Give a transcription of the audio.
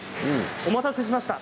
お待たせしました。